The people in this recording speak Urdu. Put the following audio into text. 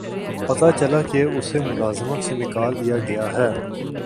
پتہ چلا کہ اسے ملازمت سے نکال دیا گیا ہے